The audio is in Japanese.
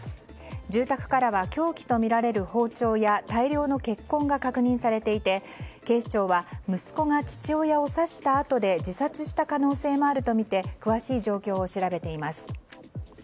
住宅からは凶器とみられる包丁や大量の血痕が確認されていて警視庁は息子が父親を刺したあとで自殺した可能性もあるとみて詳しい状況を調べています。